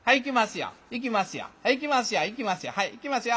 はいいきますよ。